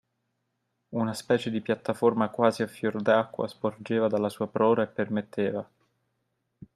Una specie di piattaforma quasi a fior di acqua sporgeva dalla sua prora e permetteva